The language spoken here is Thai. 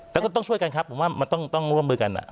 แล้วก็ต้องช่วยกันครับผมว่ามันต้องร่วมมือกัน